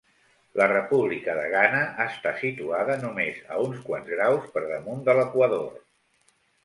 La República de Ghana està situada només a uns quants graus per damunt de l'equador.